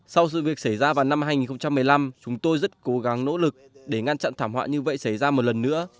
sau sự việc xảy ra vào năm hai nghìn một mươi năm chúng tôi rất cố gắng nỗ lực để ngăn chặn thảm họa như vậy xảy ra một lần nữa